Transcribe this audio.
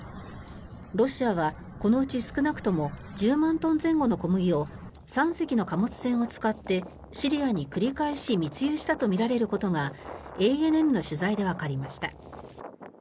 ロシアはこのうち少なくとも１０万トン前後の小麦を３隻の貨物船を使ってシリアに繰り返し密輸したとみられることがＡＮＮの取材でわかりました。